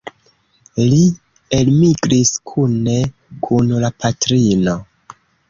Li elmigris kune kun la patrino.